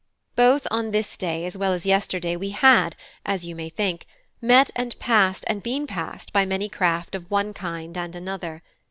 Both on this day as well as yesterday we had, as you may think, met and passed and been passed by many craft of one kind and another.